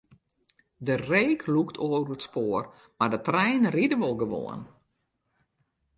De reek lûkt oer it spoar, mar de treinen ride wol gewoan.